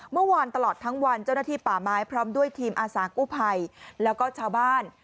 เมื่อวานตลอดทั้งวันเจ้าหน้าที่ป่าไม้พร้อมด้วยทีมอาสากู้ภัยแล้วก็ชาวบ้าน